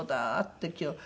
って今日。